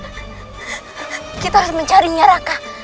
kita harus mencarinya raka